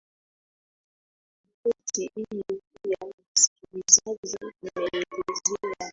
ripoti hiyo pia msikilizaji imeelezea